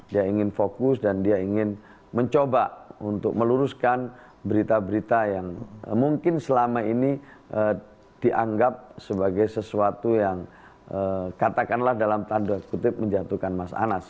dia ingin fokus dan dia ingin mencoba untuk meluruskan berita berita yang mungkin selama ini dianggap sebagai sesuatu yang katakanlah dalam tanda kutip menjatuhkan mas anas